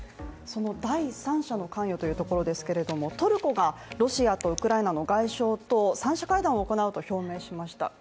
その第三者の関与というところですけれども、トルコがロシアとウクライナの外相と三者会談を行うと表明しました。